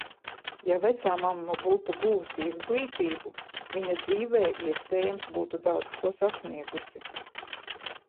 Ja vecāmamma būtu guvusi izglītību, viņa dzīvē, iespējams, būtu daudz ko sasniegusi.